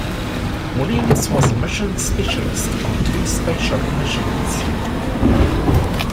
Williams was a mission specialist on two space shuttle missions.